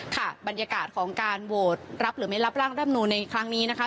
ท่าบรรยากาศของการโหวดรับหรือไม่รับราวได้บรรณวฤษในคลังนี้นะคะ